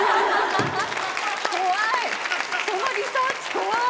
怖い！